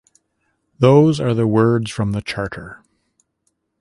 Those are the words from the charter.